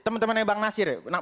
teman temannya bang nasir